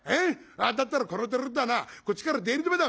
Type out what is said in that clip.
だったらこの寺とはなこっちから出入り止めだ。